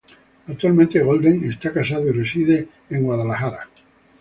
Actualmente Golden está casado y reside en Missouri.